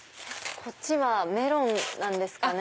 こっちはメロンなんですかね？